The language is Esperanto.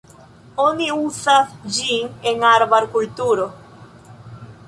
Oni uzas ĝin en arbar-kulturo.